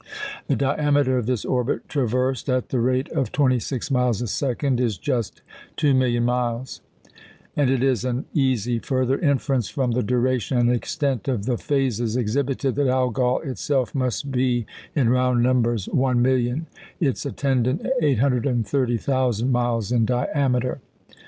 The diameter of this orbit, traversed at the rate of twenty six miles a second, is just 2,000,000 miles; and it is an easy further inference from the duration and extent of the phases exhibited that Algol itself must be (in round numbers) one million, its attendant 830,000 miles in diameter.